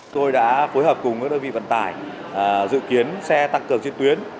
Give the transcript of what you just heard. tôi đã phối hợp cùng với đơn vị vận tải dự kiến xe tăng cường trên tuyến